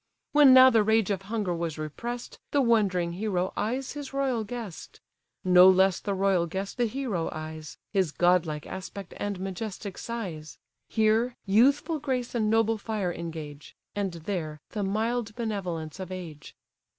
When now the rage of hunger was repress'd, The wondering hero eyes his royal guest: No less the royal guest the hero eyes, His godlike aspect and majestic size; Here, youthful grace and noble fire engage; And there, the mild benevolence of age.